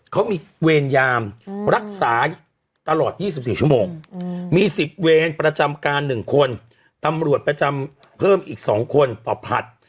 เขามีเวรยามรักษาตลอด๒๔ชั่วโมงมี๑๐เวรประจำการ๑คนตำรวจประจำเพิ่มอีก๒คนต่อผลัด